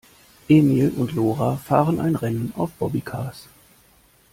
Emil und Lora fahren ein Rennen auf Bobbycars.